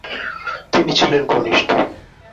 তিনি ছিলেন কনিষ্ঠ ।